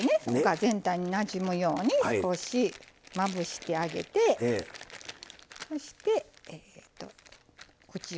全体になじむように少しまぶしてあげてそして口を。